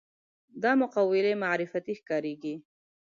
دا مقولې معرفتي ښکارېږي